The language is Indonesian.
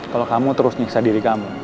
kalau kamu terus niksa diri kamu